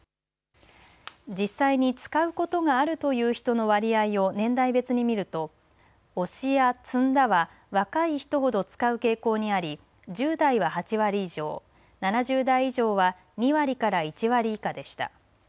実際に使うことがあるという人の割合を年代別に見ると推しや詰んだは若い人ほど使う傾向にあり１０代は８割以上７０代以上は２割から１割以下でした。